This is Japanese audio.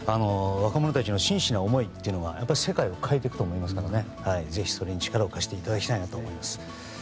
若者たちの真摯な思いが世界を変えていくと思いますからぜひ力を貸していただきたいと思います。